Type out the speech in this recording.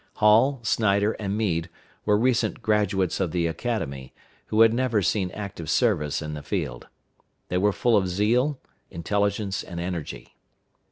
Hall, Snyder, and Meade were recent graduates of the Academy, who had never seen active service in the field. They were full of zeal, intelligence, and energy.